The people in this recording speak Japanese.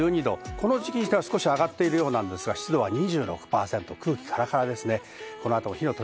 この時期にしては少し上がってるようなんですが、湿度は２６％、空気からからです。